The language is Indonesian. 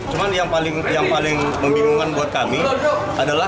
cuman yang paling membingungkan buat kami adalah